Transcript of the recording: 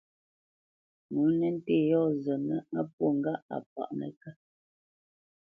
Ŋo nə́ ntê yɔ̂ zətnə́ á pwô ŋgâʼ a páʼ nəkât.